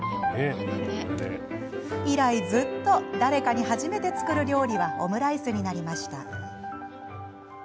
以来ずっと誰かに初めて作る料理はオムライスになりました。